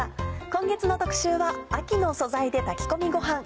今月の特集は「秋の素材で炊き込みごはん」。